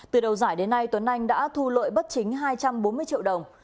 từ đầu giải đến nay tuấn anh đã thu lợi bất chính hai trăm bốn mươi triệu đồng